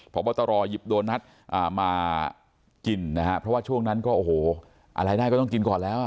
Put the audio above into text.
พบตรหยิบโดนัทมากินนะฮะเพราะว่าช่วงนั้นก็โอ้โหอะไรได้ก็ต้องกินก่อนแล้ว